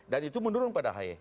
dan itu menurun pada ahaye